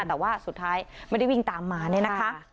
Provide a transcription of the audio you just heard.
แต่ว่าสุดท้ายไม่ได้วิ่งตามมาเนี่ยนะคะ